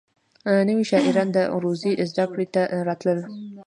نوي شاعران د عروضو زدکړې ته راتلل.